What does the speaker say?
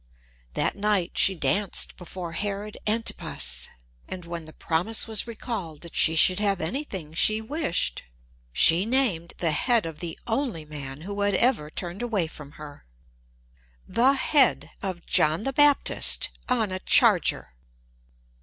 That night she danced before Herod Antipas, and when the promise was recalled that she should have anything she wished, she named the head of the only man who had ever turned away from her. "The head of John the Baptist on a charger!"